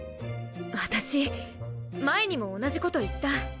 私前にも同じこと言った。